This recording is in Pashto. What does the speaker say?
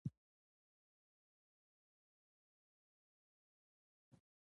ګيله کول مو ارزښت کموي